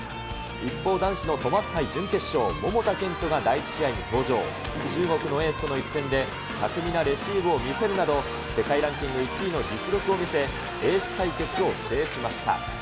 一方、男子のトマス杯準決勝、桃田賢斗が第１試合に登場、中国のエースとの一戦で巧みなレシーブを見せるなど、世界ランキング１位の実力を見せ、エース対決を制しました。